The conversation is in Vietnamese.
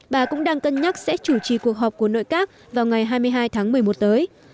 bà cũng đang cân nhắc sẽ chủ trì cuộc họp của nội các vào ngày hai mươi hai tháng một mươi một tới